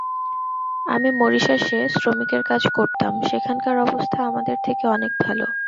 আমি মরিশাসে শ্রমিকের কাজ করতাম, সেখানকার অবস্থা আমাদের থেকে অনেক ভালো।